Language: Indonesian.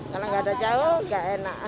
kalau enggak ada caw enggak enak